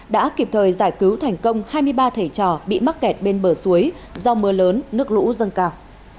đã kịp thời giải cứu thành công hai mươi ba thầy trò bị mắc kẹt bên bờ suối do mưa lớn nước lũ dâng cao